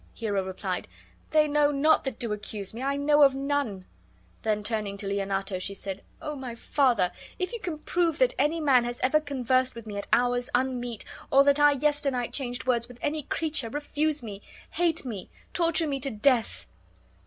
Hero replied, "They know that do accuse me; I know of none." Then turning to Leonato, she said, "O my father, if you can prove that any man has ever conversed with me at hours unmeet, or that I yesternight changed words with any creature, refuse me, hate me, torture me to death."